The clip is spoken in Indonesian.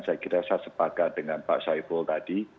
saya kira saya sepakat dengan pak saiful tadi